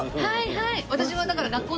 はい。